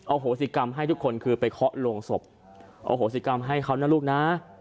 โหสิกรรมให้ทุกคนคือไปเคาะลงศพอโหสิกรรมให้เขานะลูกนะ